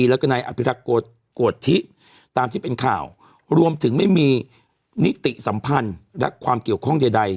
แล้วก็นายอภิรักษ์โกธิตามที่เป็นข่าวรวมถึงไม่มีนิติสัมพันธ์และความเกี่ยวข้องใด